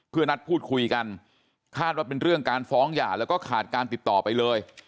เพื่อนัดพูดคุยกันคาดว่าเป็นเรื่องการฟ้องหย่าแล้วก็ขาดการติดต่อไปเลย